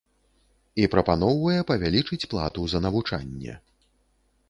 І прапаноўвае павялічыць плату за навучанне.